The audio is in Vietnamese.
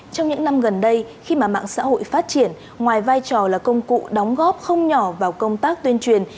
trong những năm gần đây khi mà mạng xã hội phát triển ngoài vai trò là công cụ đóng góp không nhỏ vào công tác tuyên truyền